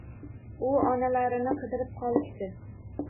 U onalarini qidirib qolishdi.